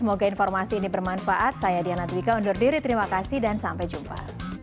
semoga informasi ini bermanfaat saya diana twika undur diri terima kasih dan sampai jumpa